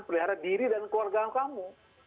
pelihara diri dan keluarga kamu